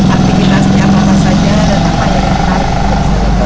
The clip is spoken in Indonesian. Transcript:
aktivitasnya apa saja dan apa yang kita lakukan